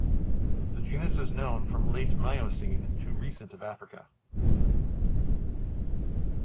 The genus is known from Late Miocene to Recent of Africa.